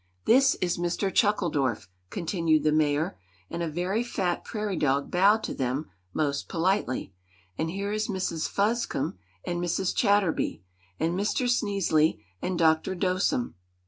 This is Mr. Chuckledorf," continued the Mayor, and a very fat prairie dog bowed to them most politely; "and here is Mrs. Fuzcum; and Mrs. Chatterby; and Mr. Sneezeley, and Doctor Dosem."